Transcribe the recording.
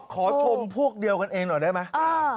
ขอชมพวกเดียวกันเองหน่อยได้ไหม